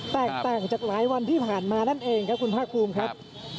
แตกต่างจากหลายวันที่ผ่านมานั่นเองครับคุณภาคภูมิครับ